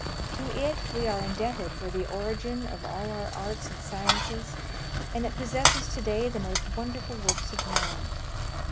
To it we are indebted for the origin of all our arts and sciences, and it possesses to day the most won dei'ful works of man.